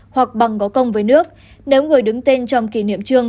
hoặc bằng có công với nước nếu người đứng tên trong kỷ niệm trương